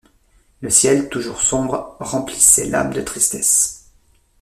Le ciel, toujours sombre, remplissait l’âme de tristesse.